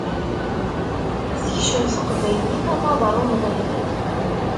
Tekcem teqbaylit amaḍal umḍin.